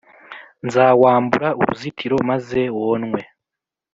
nzawambura uruzitiro, maze wonwe;